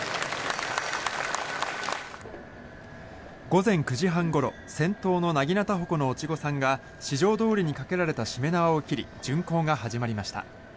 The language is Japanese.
午前９時半ごろ先頭の長刀鉾のお稚児さんが四条通にかけられたしめ縄を切り巡行が始まりました。